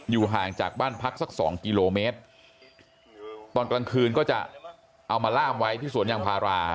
ห่างจากบ้านพักสักสองกิโลเมตรตอนกลางคืนก็จะเอามาล่ามไว้ที่สวนยางพารา